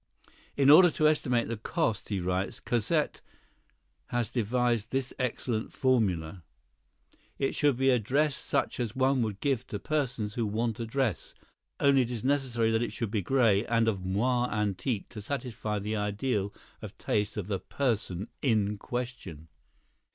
"In order to estimate the cost," he writes, "Cosette has devised this excellent formula: It should be a dress such as one would give to persons who want a dress—only it is necessary that it should be gray and of moiré antique to satisfy the ideal of taste of the person in question."